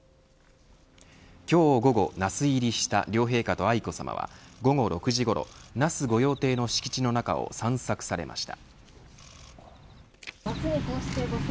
今日午後、那須入りした両陛下と愛子さまは午後６時ごろ那須御用邸の敷地の中を散策されました。